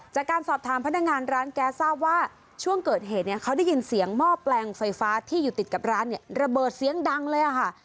จากการสอบถามพนักงานร้านแก๊สทราบว่าช่วงเกิดเหตุเนี่ยเขาได้ยินเสียงหม้อแปลงไฟฟ้าที่อยู่ติดกับร้านเนี่ยระเบิดเสียงดังเลยค่ะ